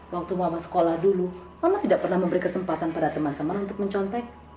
waktu mama sekolah dulu mama tidak pernah memberi kesempatan pada teman teman untuk mencontek